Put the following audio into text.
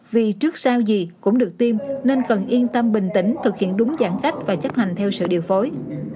vì trước sao gì cũng được tiêm nên cần yên tâm bình tĩnh thực hiện đúng giãn cách và chấp hành theo sự điều phối